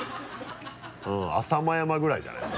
浅間山ぐらいじゃない？